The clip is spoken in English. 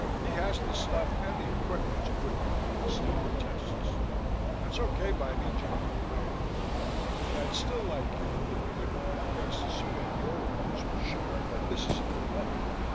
He has the stuff and the equipment to put you through the standard tests." "That's okay by me, Jerry," I agreed, "but I'd still like you to put me through a few paces so that your records will show that this is on the level.